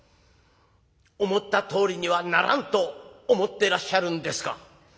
「思ったとおりにはならんと思ってらっしゃるんですか。